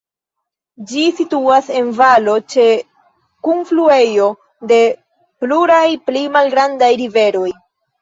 Ĝi situas en valo ĉe kunfluejo de pluraj pli malgrandaj riveroj.